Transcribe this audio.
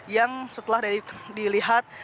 yang setelah dilihat